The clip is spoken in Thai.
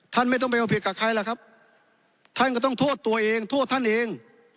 ท่านไม่ต้องไปเอาผิดกับใครล่ะครับท่านก็ต้องโทษตัวเองโทษท่านเอง